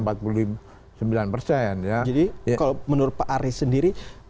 jadi kalau menurut pak arief sendiri